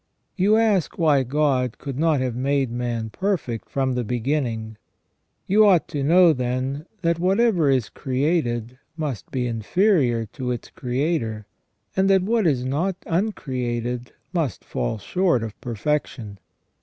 You ask why God could not have made man perfect from the beginning ? You ought to know, then, that whatever is created must be inferior to its Creator, and that what is not uncreated must fall short of perfection.